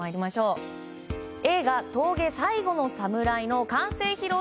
映画「峠最後のサムライ」の完成披露